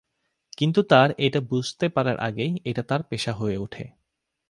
কিন্তু তার এটা বুঝতে পারার আগেই, এটা তার পেশা হয়ে ওঠে।